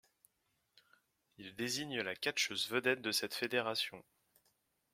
Il désigne la catcheuse vedette de cette fédération.